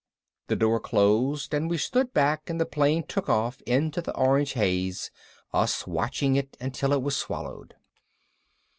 The door closed and we stood back and the plane took off into the orange haze, us watching it until it was swallowed.